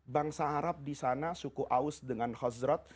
bangsa arab disana suku aus dengan khosrat